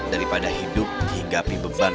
tapi aku ingatkan